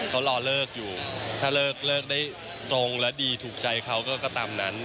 เขารอเลิกอยู่ถ้าเลิกได้ตรงและดีถูกใจเขาก็ตามนั้น